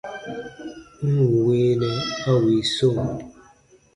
N ǹ weenɛ a wii so !